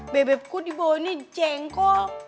bebek gue dibawainnya jengkol